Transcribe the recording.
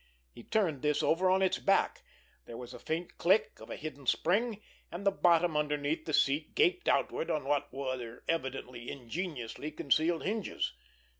He turned this over on its back, there was a faint click of a hidden spring, and the bottom underneath the seat gaped outward on what were evidently ingeniously concealed hinges.